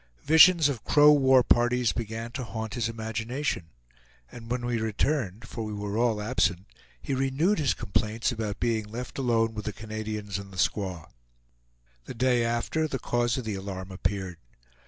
Visions of Crow war parties began to haunt his imagination; and when we returned (for we were all absent), he renewed his complaints about being left alone with the Canadians and the squaw. The day after, the cause of the alarm appeared.